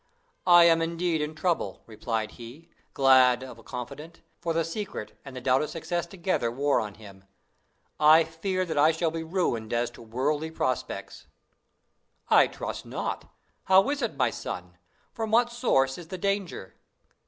"I am indeed in trouble," replied he, glad of a confidant, for the secret and the doubt of success together wore on him. "I fear that I shall be ruined as to worldly prospects." "I trust not: how is it, my son? From what source is the danger?"